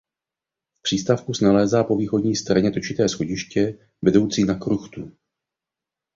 V přístavku se nalézá po východní straně točité schodiště vedoucí na kruchtu.